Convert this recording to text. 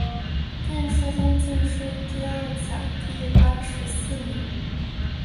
殿试登进士第二甲第八十四名。